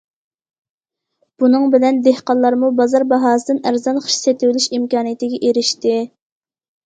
بۇنىڭ بىلەن دېھقانلارمۇ بازار باھاسىدىن ئەرزان خىش سېتىۋېلىش ئىمكانىيىتىگە ئېرىشتى.